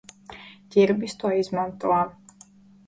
Ķirbis to izmanto.